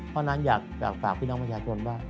เพราะฉะนั้นอยากฝากพี่น้องประชาชนว่า